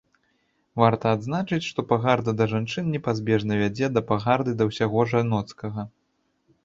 Варта адзначыць, што пагарда да жанчын непазбежна вядзе да пагарды да ўсяго жаноцкага.